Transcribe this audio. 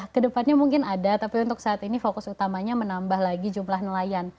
kedepannya mungkin ada tapi untuk saat ini fokus utamanya menambah lagi jumlah nelayan